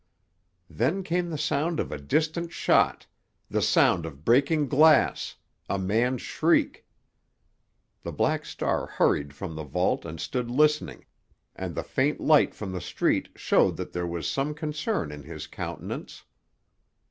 Then came the sound of a distant shot, the sound of breaking glass, a man's shriek. The Black Star hurried from the vault and stood listening, and the faint light from the street showed that there was some concern in his countenance.